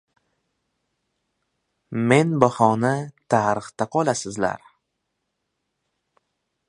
Men bahona tarixda qolasizlar!